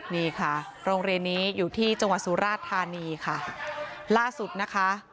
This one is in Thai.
นี่ค่ะโรงเรียนนี้อยู่ที่จังหวัดสุราชธานีค่ะล่าสุดนะคะ